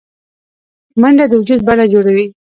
منډه د وجود د بڼه جوړوي